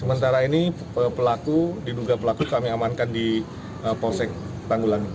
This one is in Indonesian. sementara ini pelaku diduga pelaku kami amankan di polsek tanggulang